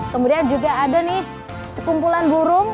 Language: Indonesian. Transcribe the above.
kemudian juga ada nih sekumpulan burung